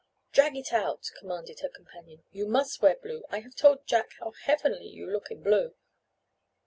"Drag it out," commanded her companion. "You must wear blue. I have told Jack how heavenly you look in blue."